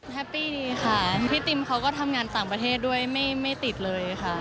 แฮปปี้ดีค่ะพี่ติมเขาก็ทำงานต่างประเทศด้วยไม่ติดเลยค่ะ